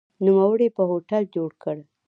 نوموړي په هوټل جوړ کړ.